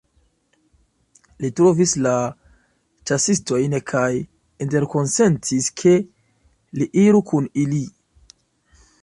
Li trovis la ĉasistojn kaj interkonsentis ke li iru kun ili.